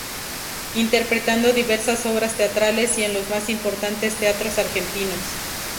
Interpretando diversas obras teatrales y en los más importantes teatros argentinos.